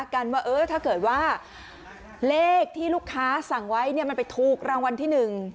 กันว่าเออถ้าเกิดว่าเลขที่ลูกค้าสั่งไว้เนี่ยมันไปถูกรางวัลที่หนึ่ง